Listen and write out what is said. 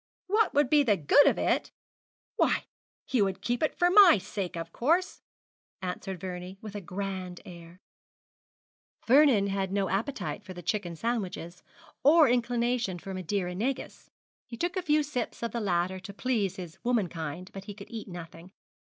'What would be the good of it! Why, he would keep it for my sake, of course!' answered Vernie, with a grand air. Vernon had no appetite for the chicken sandwiches, or inclination for Madeira negus. He took a few sips of the latter to please his womankind, but he could eat nothing.